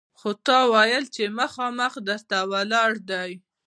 خو تا ویل چې مخامخ در ته ولاړ دی!